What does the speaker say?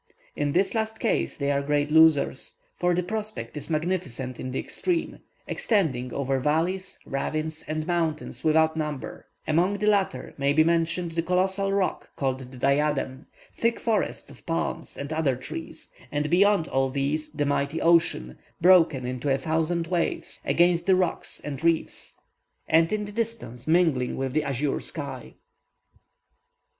In this last case, they are great losers, for the prospect is magnificent in the extreme, extending over valleys, ravines, and mountains without number (among the latter may be mentioned the colossal rock called the "Diadem"), thick forests of palms and other trees; and beyond all these, the mighty ocean, broken into a thousand waves against the rocks and reefs, and in the distance mingling with the azure sky.